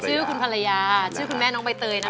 ชื่อคุณภรรยาชื่อคุณแม่น้องใบเตยนะคะ